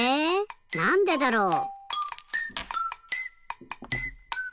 なんでだろう。